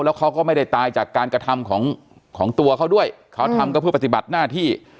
แล้วเขาก็ไม่ได้ตายจากการกระทำของตัวเขาด้วยเขาทำก็เพื่อปฏิบัติหน้าที่